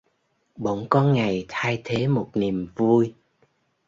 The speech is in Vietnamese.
Bỗng có ngày thay thế một niềm vui